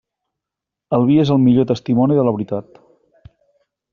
El vi és el millor testimoni de la veritat.